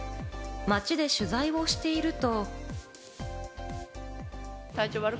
街で取材をしていると。